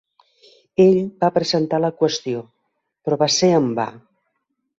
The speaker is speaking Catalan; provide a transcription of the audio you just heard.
Ell va presentar la qüestió, però va ser en va.